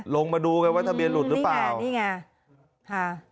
ลงมาดูกันว่าทะเบียนหลุดหรือเปล่านี่ไงค่ะ